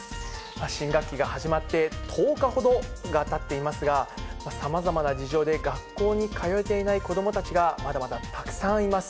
新学期が始まって１０日ほどがたっていますが、さまざまな事情で学校に通えていない子どもたちが、まだまだたくさんいます。